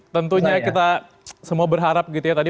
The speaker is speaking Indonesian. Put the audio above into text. tentunya kita semua berharap gitu ya tadi